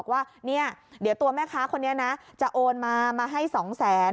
ว่าเดี๋ยวตัวแม่ค้าคนนี้นะจะโอนมามาให้๒๐๐๐๐๐บาท